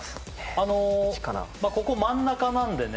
あのここ真ん中なんでね